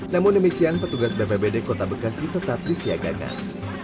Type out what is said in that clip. namun demikian petugas bpbd kota bekasi tetap disiagakan